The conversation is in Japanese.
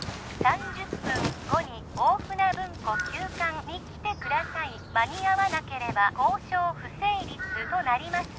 ３０分後に大船文庫旧館に来てください間に合わなければ交渉不成立となります